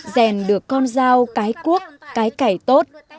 rèn được con dao cái cuốc cái cải tốt